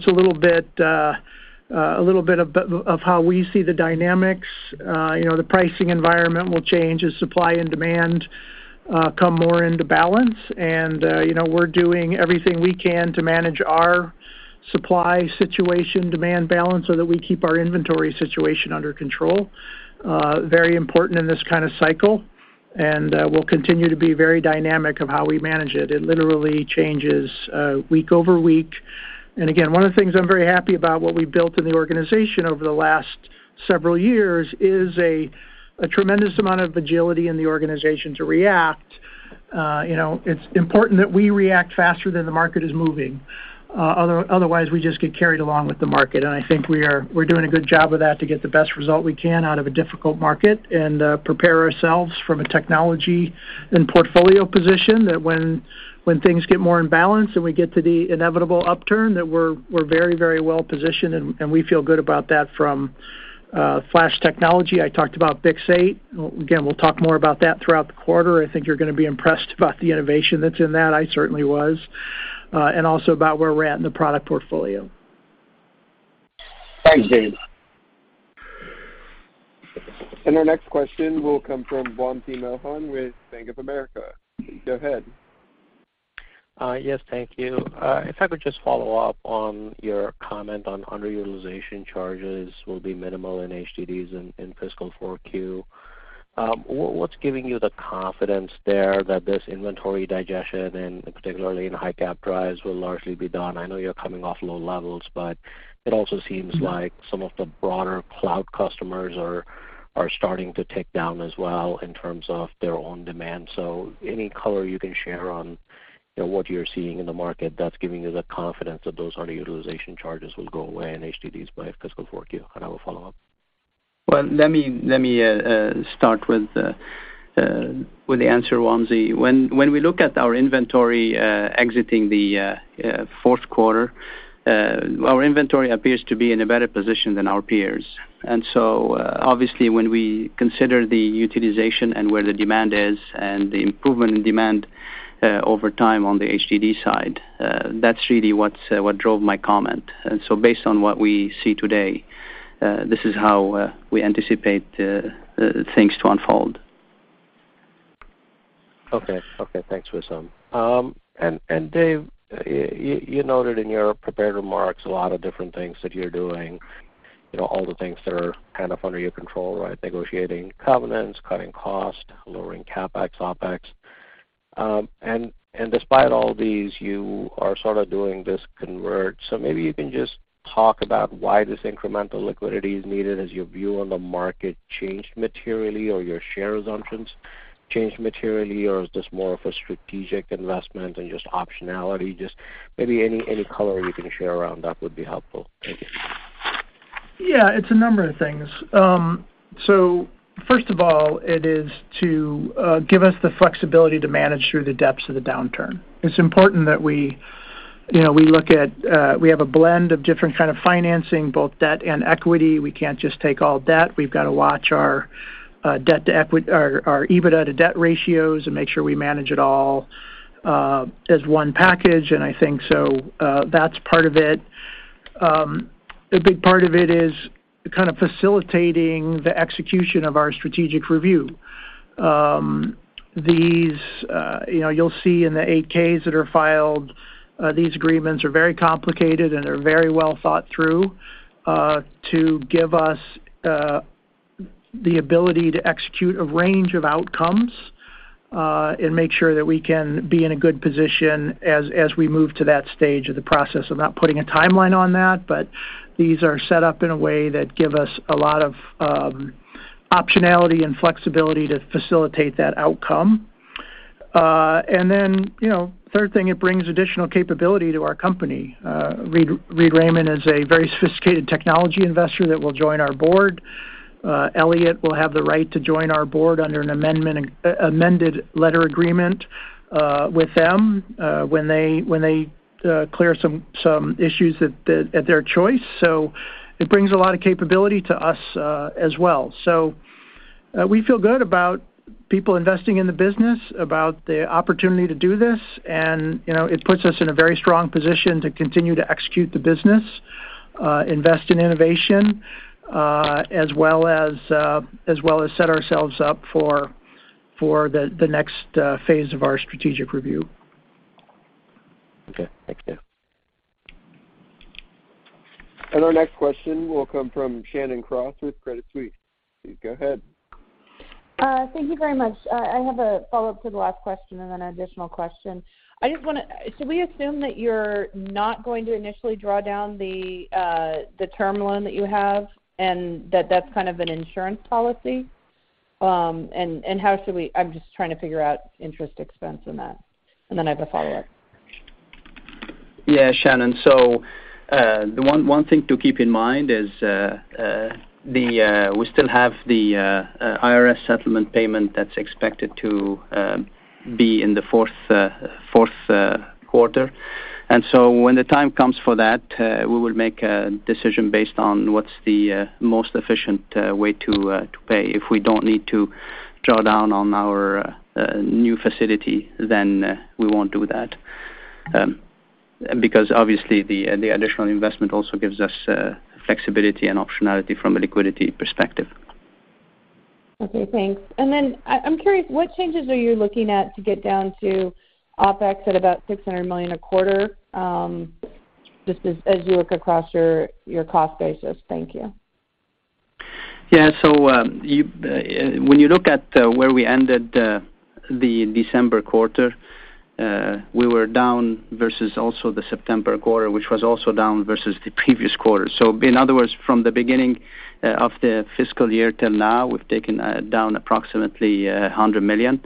a little bit, a little bit of how we see the dynamics. You know, the pricing environment will change as supply and demand come more into balance. You know, we're doing everything we can to manage our supply situation, demand balance so that we keep our inventory situation under control. Very important in this kind of cycle, and we'll continue to be very dynamic of how we manage it. It literally changes week over week. One of the things I'm very happy about what we built in the organization over the last several years is a tremendous amount of agility in the organization to react. You know, it's important that we react faster than the market is moving, otherwise we just get carried along with the market. I think we're doing a good job of that to get the best result we can out of a difficult market and prepare ourselves from a technology and portfolio position that when things get more in balance and we get to the inevitable upturn, that we're very, very well positioned, and we feel good about that from flash technology. I talked about BiCS8. Again, we'll talk more about that throughout the quarter. I think you're gonna be impressed about the innovation that's in that, I certainly was, and also about where we're at in the product portfolio. Thanks, Dave. Our next question will come from Wamsi Mohan with Bank of America. Go ahead. Yes, thank you. If I could just follow up on your comment on underutilization charges will be minimal in HDDs in fiscal 4Q. What's giving you the confidence there that this inventory digestion and particularly in high cap drives will largely be done? I know you're coming off low levels, but it also seems. Yeah. like some of the broader cloud customers are starting to tick down as well in terms of their own demand. Any color you can share on, you know, what you're seeing in the market that's giving you the confidence that those underutilization charges will go away in HDDs by fiscal 4Q? I will follow up. Well, let me start with the answer, Wamsi. When we look at our inventory, exiting the fourth quarter, our inventory appears to be in a better position than our peers. Obviously, when we consider the utilization and where the demand is and the improvement in demand, over time on the HDD side, that's really what drove my comment. Based on what we see today, this is how we anticipate things to unfold. Okay. thanks Wissam. Dave, you noted in your prepared remarks a lot of different things that you're doing, you know, all the things that are kind of under your control, right? Negotiating covenants, cutting cost, lowering CapEx, OpEx. despite all these, you are sort of doing this converge. Maybe you can just talk about why this incremental liquidity is needed. Has your view on the market changed materially or your share assumptions changed materially or is this more of a strategic investment and just optionality? Just maybe any color you can share around that would be helpful. Thank you. Yeah, it's a number of things. First of all, it is to give us the flexibility to manage through the depths of the downturn. It's important that we, you know, we look at, we have a blend of different kind of financing, both debt and equity. We can't just take all debt. We've got to watch our EBITDA to debt ratios and make sure we manage it all as one package. I think that's part of it. A big part of it is kind of facilitating the execution of our strategic review. These, you'll see in the 8-Ks that are filed, these agreements are very complicated, and they're very well thought through, to give us the ability to execute a range of outcomes, and make sure that we can be in a good position as we move to that stage of the process. I'm not putting a timeline on that, but these are set up in a way that give us a lot of optionality and flexibility to facilitate that outcome. Third thing, it brings additional capability to our company. Reed Rayman is a very sophisticated technology investor that will join our board. Elliott will have the right to join our Board under an amendment, amended letter agreement with them, when they clear some issues at their choice. It brings a lot of capability to us as well. We feel good about people investing in the business, about the opportunity to do this, and, you know, it puts us in a very strong position to continue to execute the business, invest in innovation, as well as set ourselves up for the next phase of our strategic review. Okay. Thank you. Our next question will come from Shannon Cross with Credit Suisse. Please go ahead. Thank you very much. I have a follow-up to the last question, then an additional question. I just should we assume that you're not going to initially draw down the term loan that you have, and that that's kind of an insurance policy? I'm just trying to figure out interest expense in that. Then I have a follow-up. Shannon. The one thing to keep in mind is, we still have the IRS settlement payment that's expected to be in the fourth quarter. When the time comes for that, we will make a decision based on what's the most efficient way to pay. If we don't need to draw down on our new facility, then we won't do that. Because obviously the additional investment also gives us flexibility and optionality from a liquidity perspective. Okay, thanks. I'm curious, what changes are you looking at to get down to OpEx at about $600 million a quarter, just as you look across your cost basis? Thank you. Yeah. When you look at where we ended the December quarter, we were down versus also the September quarter, which was also down versus the previous quarter. In other words, from the beginning of the fiscal year till now, we've taken down approximately $100 million,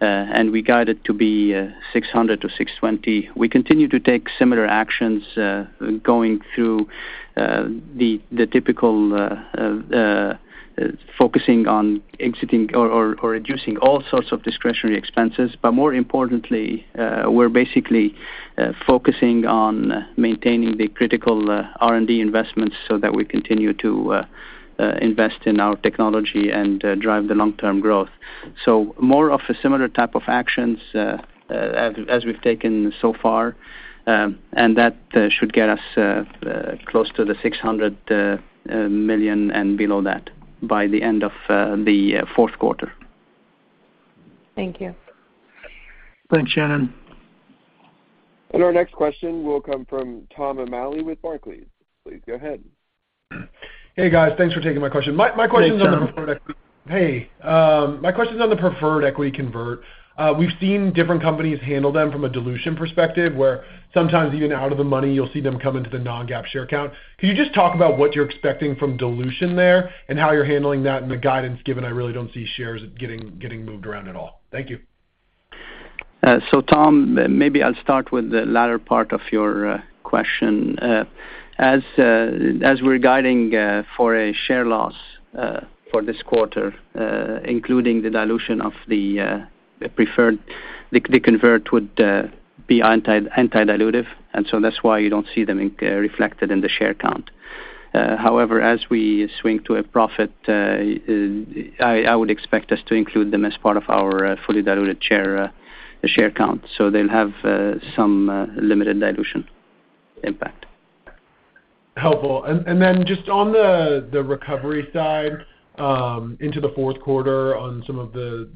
and we guided to be $600-$620. We continue to take similar actions going through the typical focusing on exiting or reducing all sorts of discretionary expenses. More importantly, we're basically focusing on maintaining the critical R&D investments so that we continue to invest in our technology and drive the long-term growth. More of a similar type of actions, as we've taken so far, and that should get us close to the $600 million and below that by the end of the fourth quarter. Thank you. Thanks, Shannon. Our next question will come from Thomas O'Malley with Barclays. Please go ahead. Hey, guys. Thanks for taking my question. My question is. Hey, Tom. Hey, my question is on the preferred equity convert. We've seen different companies handle them from a dilution perspective, where sometimes even out of the money you'll see them come into the non-GAAP share count. Can you just talk about what you're expecting from dilution there and how you're handling that in the guidance given I really don't see shares getting moved around at all? Thank you. Tom, maybe I'll start with the latter part of your question. As we're guiding for a share loss for this quarter, including the dilution of the preferred, the convert would be anti-dilutive, that's why you don't see them reflected in the share count. However, as we swing to a profit, I would expect us to include them as part of our fully diluted share count, so they'll have some limited dilution impact. Helpful. Just on the recovery side, into the fourth quarter on some of the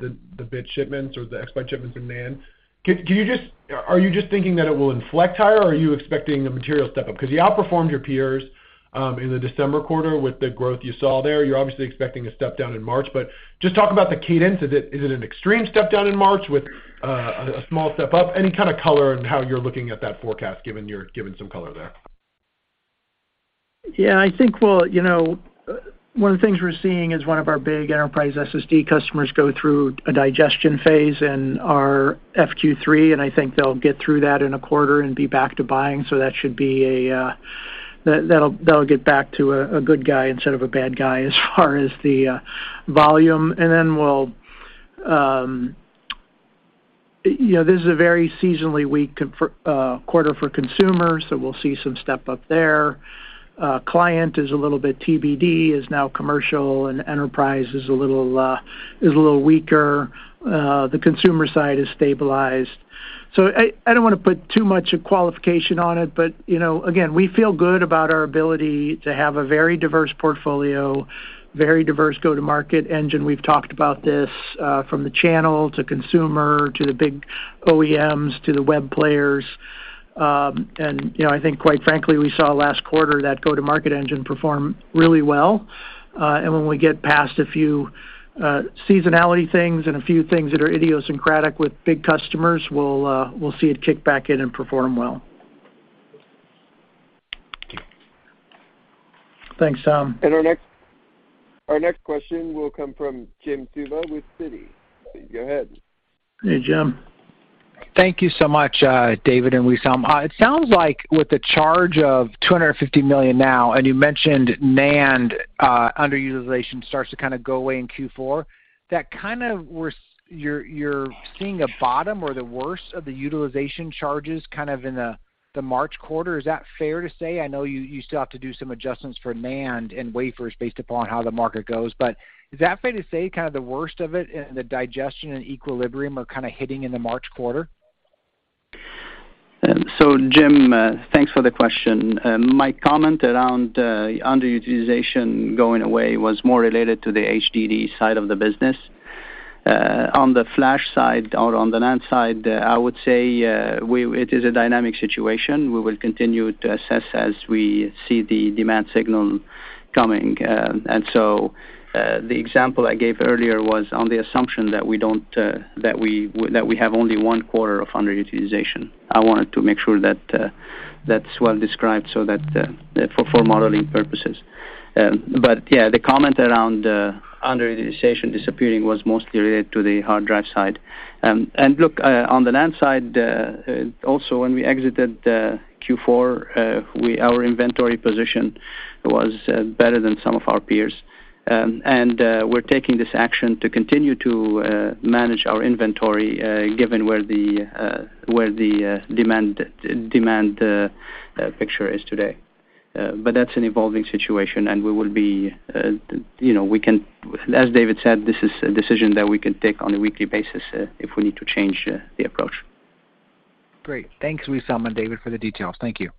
bit shipments or the exabyte shipments demand, are you just thinking that it will inflect higher, or are you expecting a material step up? You outperformed your peers in the December quarter with the growth you saw there. You're obviously expecting a step down in March, but just talk about the cadence. Is it an extreme step down in March with a small step up? Any kind of color on how you're looking at that forecast given some color there. Yeah, I think we'll, you know, one of the things we're seeing is one of our big enterprise SSD customers go through a digestion phase in our FQ3, and I think they'll get through that in a quarter and be back to buying. That'll get back to a good guy instead of a bad guy as far as the volume. Then we'll, you know, this is a very seasonally weak quarter for consumers, so we'll see some step up there. Client is a little bit TBD, is now commercial, and enterprise is a little weaker. The consumer side is stabilized. I don't wanna put too much a qualification on it, but, you know, again, we feel good about our ability to have a very diverse portfolio, very diverse go-to-market engine. We've talked about this, from the channel to consumer to the big OEMs to the web players. You know, I think quite frankly, we saw last quarter that go-to-market engine perform really well. When we get past a few seasonality things and a few things that are idiosyncratic with big customers, we'll see it kick back in and perform well. Thanks, Tom. Our next question will come from Jim Suva with Citi. Go ahead. Hey, Jim. Thank you so much, David and Wissam. It sounds like with the charge of $250 million now, and you mentioned NAND, underutilization starts to kind of go away in Q4, You're seeing a bottom or the worst of the utilization charges kind of in the March quarter. Is that fair to say? I know you still have to do some adjustments for NAND and wafers based upon how the market goes, is that fair to say, kind of the worst of it in the digestion and equilibrium are kind of hitting in the March quarter? Jim, thanks for the question. My comment around underutilization going away was more related to the HDD side of the business. On the flash side or on the NAND side, I would say, it is a dynamic situation. We will continue to assess as we see the demand signal coming. The example I gave earlier was on the assumption that we don't, that we have only one quarter of underutilization. I wanted to make sure that that's well described so that for modeling purposes. Yeah, the comment around underutilization disappearing was mostly related to the hard drive side. Look, on the NAND side, also, when we exited Q4, our inventory position was better than some of our peers. We're taking this action to continue to manage our inventory, given where the demand picture is today. That's an evolving situation, and we will be, you know, we can, As David said, this is a decision that we can take on a weekly basis, if we need to change the approach. Great. Thanks, Wissam and David for the details. Thank you.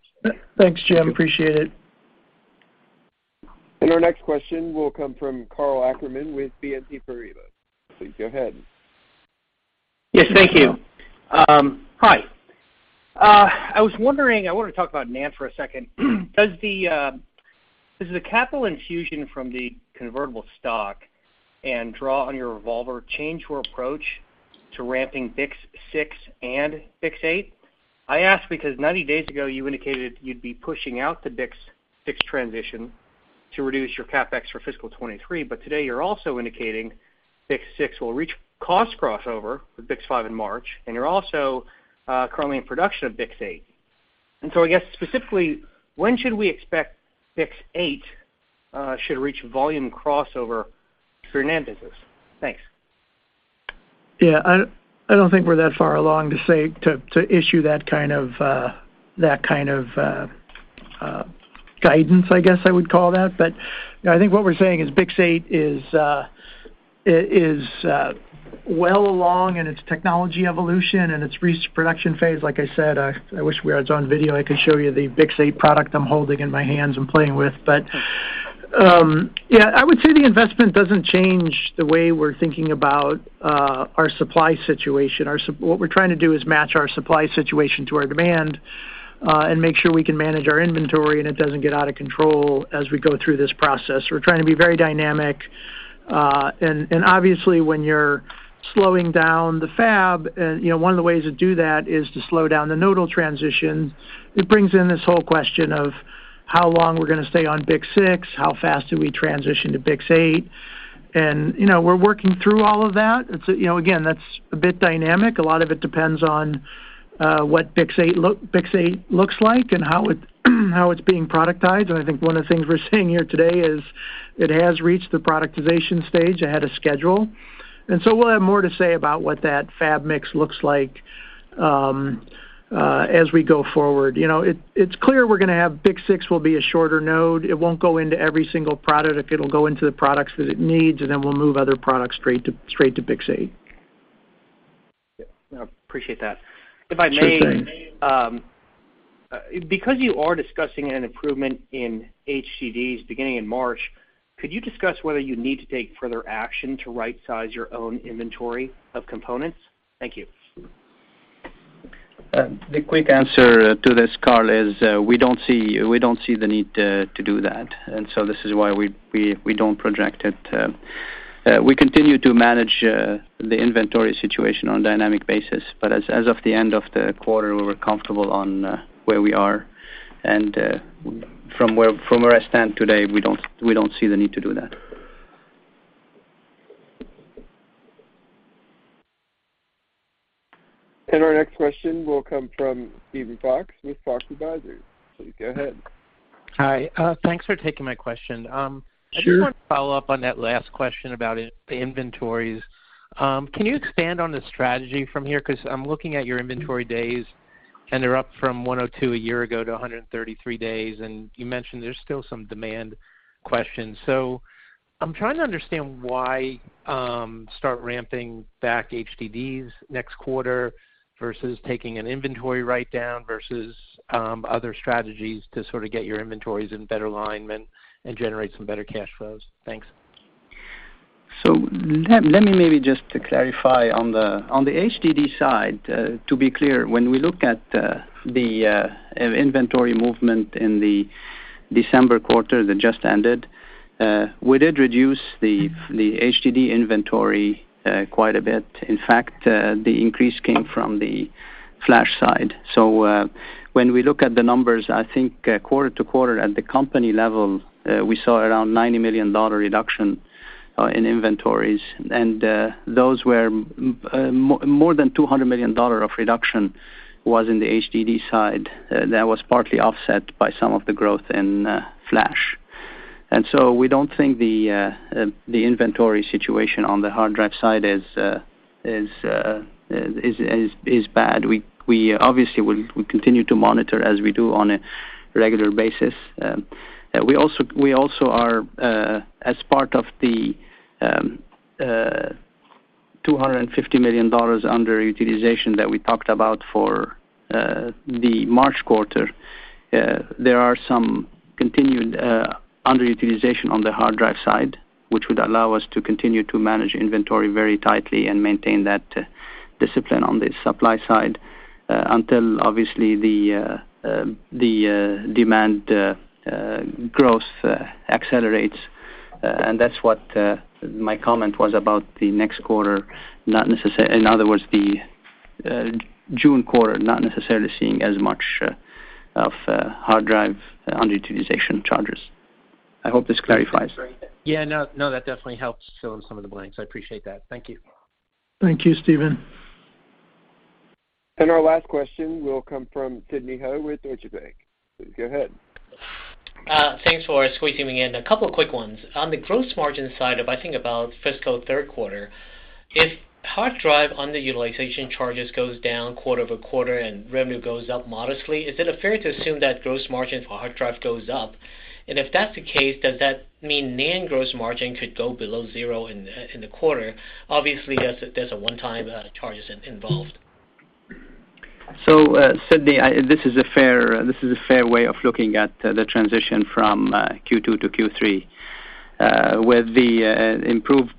Thanks, Jim. Appreciate it. Our next question will come from Karl Ackerman with BNP Paribas. Please go ahead. Yes, thank you. Hi. I was wondering, I wanna talk about NAND for a second. Does the capital infusion from the convertible stock and draw on your revolver change your approach to ramping BiCS6 and BiCS8? I ask because 90 days ago you indicated you'd be pushing out the BiCS6 transition to reduce your CapEx for fiscal 2023, but today you're also indicating BiCS6 will reach cost crossover with BiCS5 in March, and you're also currently in production of BiCS8. I guess specifically, when should we expect BiCS8 should reach volume crossover for your NAND business? Thanks. Yeah, I don't think we're that far along to issue that kind of guidance, I guess I would call that. You know, I think what we're saying is BiCS8 is well along in its technology evolution and its reach production phase. Like I said, I wish we had it on video, I could show you the BiCS8 product I'm holding in my hands and playing with. Yeah, I would say the investment doesn't change the way we're thinking about our supply situation. What we're trying to do is match our supply situation to our demand and make sure we can manage our inventory and it doesn't get out of control as we go through this process. We're trying to be very dynamic. Obviously, when you're slowing down the fab, you know, one of the ways to do that is to slow down the nodal transition. It brings in this whole question of how long we're gonna stay on BiCS6, how fast do we transition to BiCS8. You know, we're working through all of that. It's, you know, again, that's a bit dynamic. A lot of it depends on what BiCS8 looks like and how it's being productized. I think one of the things we're seeing here today is it has reached the productization stage ahead of schedule. We'll have more to say about what that fab mix looks like as we go forward. You know, it's clear we're gonna have BiCS6 will be a shorter node. It won't go into every single product. It'll go into the products that it needs. Then we'll move other products straight to BiCS8. Yeah. No, appreciate that. Sure thing. Because you are discussing an improvement in HDDs beginning in March, could you discuss whether you need to take further action to rightsize your own inventory of components? Thank you. The quick answer to this, Karl, is we don't see the need to do that. This is why we don't project it. We continue to manage the inventory situation on dynamic basis. As of the end of the quarter, we're comfortable on where we are. From where I stand today, we don't see the need to do that. Our next question will come from Steven Fox with Fox Advisors. Please go ahead. Hi. Thanks for taking my question. Sure. I just wanna follow up on that last question about in-the inventories. Can you expand on the strategy from here? 'Cause I'm looking at your inventory days, and they're up from 102 a year ago to 133 days, and you mentioned there's still some demand questions. I'm trying to understand why, start ramping back HDDs next quarter versus taking an inventory write-down versus, other strategies to sort of get your inventories in better alignment and generate some better cash flows. Thanks. Let me maybe just to clarify on the HDD side, to be clear, when we look at the in-inventory movement in the December quarter that just ended, we did reduce the HDD inventory quite a bit. In fact, the increase came from the flash side. When we look at the numbers, I think, quarter to quarter at the company level, we saw around $90 million reduction in inventories, and those were more than $200 million of reduction was in the HDD side. That was partly offset by some of the growth in flash. We don't think the inventory situation on the hard drive side is bad. We obviously will continue to monitor as we do on a regular basis. We also, we also are, as part of the $250 million underutilization that we talked about for the March quarter, there are some continued underutilization on the hard drive side, which would allow us to continue to manage inventory very tightly and maintain that discipline on the supply side, until obviously the demand growth accelerates. And that's what my comment was about the next quarter not necessa- in other words, the June quarter not necessarily seeing as much of hard drive underutilization charges. I hope this clarifies. Yeah. No, no, that definitely helps fill in some of the blanks. I appreciate that. Thank you. Thank you, Steven. Our last question will come from Sidney Ho with Deutsche Bank. Please go ahead. Thanks for squeezing me in. A couple quick ones. On the gross margin side of, I think, about fiscal third quarter, if hard drive underutilization charges goes down quarter-over-quarter and revenue goes up modestly, is it fair to assume that gross margin for hard drive goes up? If that's the case, does that mean NAND gross margin could go below zero in the quarter? Obviously, there's a one-time charges involved. Sidney, this is a fair way of looking at the transition from Q2 to Q3. With the improved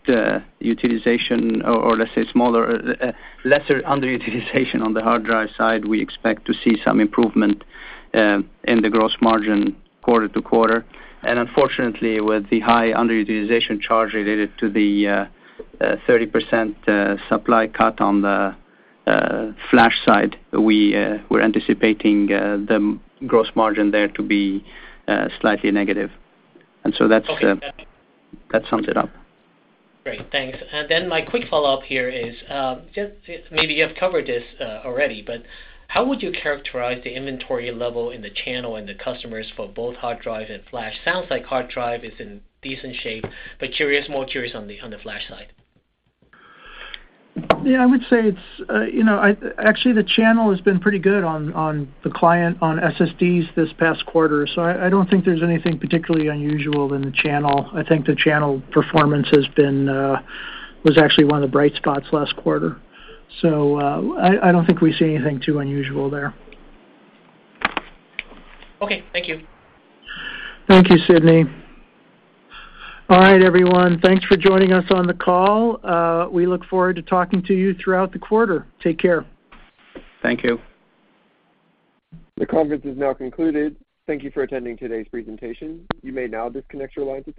utilization or let's say smaller, lesser underutilization on the hard drive side, we expect to see some improvement in the gross margin quarter-over-quarter. Unfortunately, with the high underutilization charge related to the 30% supply cut on the flash side, we're anticipating the gross margin there to be slightly negative. Okay. That sums it up. Great. Thanks. My quick follow-up here is, just maybe you have covered this, already, but how would you characterize the inventory level in the channel and the customers for both hard drive and flash? Sounds like hard drive is in decent shape, but curious, more curious on the, on the flash side. Yeah, I would say it's, you know, actually the channel has been pretty good on the client on SSDs this past quarter. I don't think there's anything particularly unusual in the channel. I think the channel performance has been, was actually one of the bright spots last quarter. I don't think we see anything too unusual there. Okay. Thank you. Thank you, Sydney. All right, everyone. Thanks for joining us on the call. We look forward to talking to you throughout the quarter. Take care. Thank you. The conference is now concluded. Thank you for attending today's presentation. You may now disconnect your lines at this